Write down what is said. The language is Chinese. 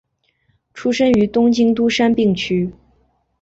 出身于东京都杉并区。